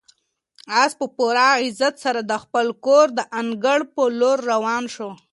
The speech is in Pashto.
آس په پوره عزت سره د خپل کور د انګړ په لور روان شو.